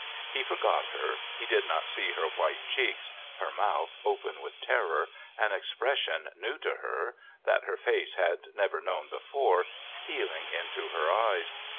He forgot her; he did not see her white cheeks, her mouth open with terror, an expression new to her, that her face had never known before, stealing into her eyes.